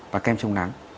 và kem chống nắng